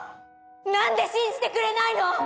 何で信じてくれないの！